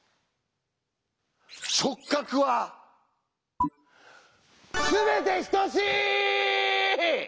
「直角は全て等しい」！